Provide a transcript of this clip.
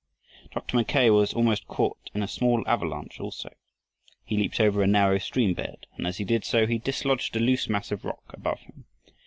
Dr. Mackay was almost caught in a small avalanche also. He leaped over a narrow stream bed, and as he did so, he dislodged a loose mass of rock above him.